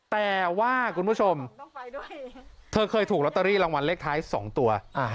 แต่ว่าคุณผู้ชมเธอเคยถูกลอตเตอรี่รางวัลเลขท้าย๒ตัว